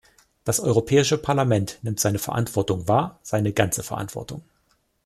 Das Europäische Parlament nimmt seine Verantwortung war, seine ganze Verantwortung.